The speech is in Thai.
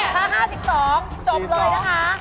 ถ้า๕๒จบแล้ว